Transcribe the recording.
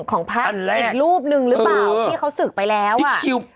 ของพระอีกรูปนึงหรือเปล่าที่เขาสืบไปแล้วอะ